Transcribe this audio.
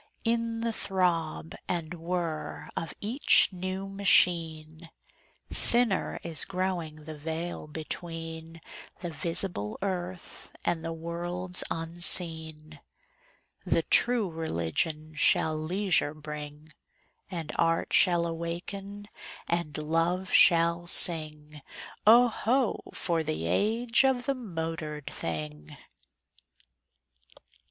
In the throb and whir of each new machine Thinner is growing the veil between The visible earth and the worlds unseen. The True Religion shall leisure bring; And Art shall awaken and Love shall sing: Oh, ho! for the age of the motored thing!